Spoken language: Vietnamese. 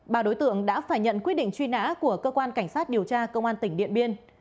ba đối tượng đã phải nhận quyết định truy nã của cơ quan cảnh sát điều tra công an tỉnh điện biên